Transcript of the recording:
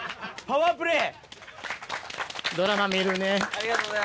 パワープレー。